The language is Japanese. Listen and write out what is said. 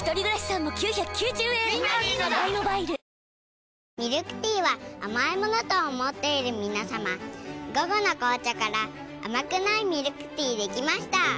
わかるぞミルクティーは甘いものと思っている皆さま「午後の紅茶」から甘くないミルクティーできました。